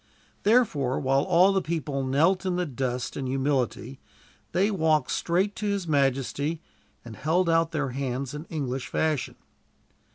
Therefore while all the people knelt in the dust in humility, they walked straight to his majesty, and held out their hands in English fashion.